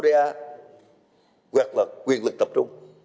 đặc biệt là quyền lực tập trung